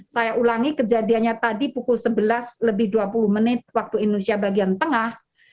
saya ulangi kejadiannya tadi pukul sebelas lebih dua puluh menit waktu indonesia bagian tengah